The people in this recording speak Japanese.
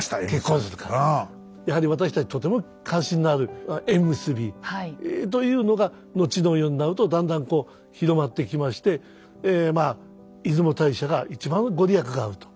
やはり私たちとても関心のある「縁結び」というのが後の世になるとだんだんこう広まってきましてえまあ出雲大社が一番御利益があると。